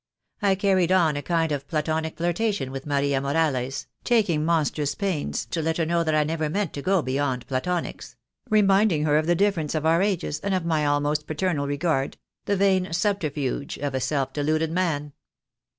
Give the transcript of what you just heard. I carried on a kind of Platonic flirtation with Maria Morales, taking monstrous pains to let her know that I never meant to go beyond Platonics — reminding her of the difference of our ages, and of my almost paternal regard — the vain subterfuge of a self deluded man.